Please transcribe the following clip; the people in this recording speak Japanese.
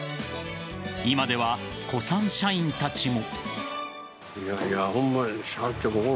今では古参社員たちも。